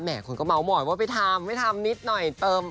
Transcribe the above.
คนก็เมาสอยว่าไปทำไม่ทำนิดหน่อยเติม